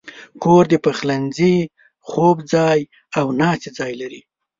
کور د پخلنځي، خوب ځای، او ناستې ځای لري.